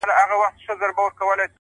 پوه انسان د حقیقت قدر کوي’